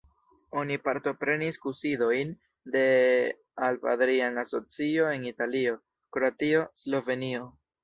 Oni partoprenis kunsidojn de Alp-Adria Asocio en Italio, Kroatio, Slovenio.